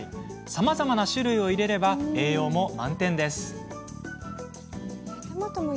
さまざまな種類を入れれば栄養も満点です。